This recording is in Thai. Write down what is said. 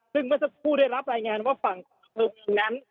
ซึ่งเมื่อสักครู่ได้รับรายงานว่าฝั่งกลุ่มนั้น